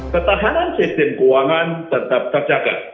ketahanan sistem keuangan tetap terjaga